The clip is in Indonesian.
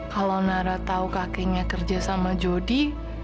kalau nara tau kakeknya kerja sama jody